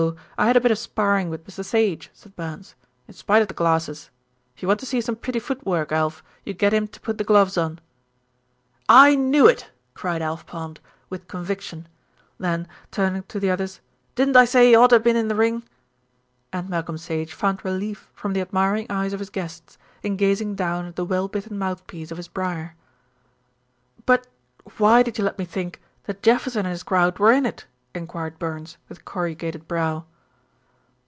I had a bit of sparring with Mr. Sage," said Burns, "in spite of the glasses. If you want to see some pretty foot work, Alf, you get him to put the gloves on." "I knew it," cried Alf Pond, with conviction; then, turning to the others, "Didn't I say he oughter been in the ring?" And Malcolm Sage found relief from the admiring eyes of his guests in gazing down at the well bitten mouthpiece of his briar. "But why did you let me think that Jefferson and his crowd were in it?" enquired Burns, with corrugated brow.